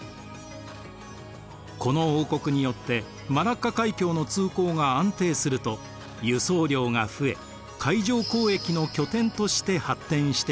この王国によってマラッカ海峡の通行が安定すると輸送量が増え海上交易の拠点として発展していきます。